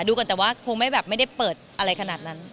ดูก่อนแต่ว่าคงไม่แบบไม่ได้เปิดอะไรขนาดนั้น